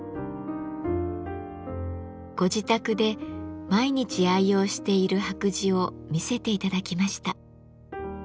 ご自宅で毎日愛用している白磁を見せて頂きました。